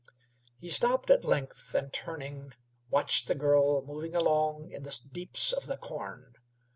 He stopped at length, and, turning, watched the girl moving along in the deeps of the corn.